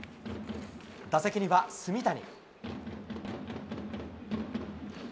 打席には炭谷。